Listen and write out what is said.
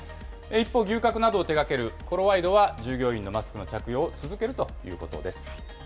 一方、牛角などを手がけるコロワイドは、従業員のマスクの着用を続けるということです。